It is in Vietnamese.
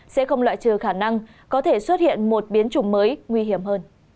sẽ không loại trừ khả năng có thể xuất hiện một biến chủng mới nguy hiểm hơn